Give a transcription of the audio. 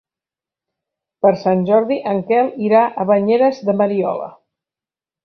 Per Sant Jordi en Quel irà a Banyeres de Mariola.